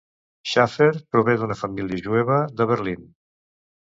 Schaffer prové d'una família jueva de Berlin.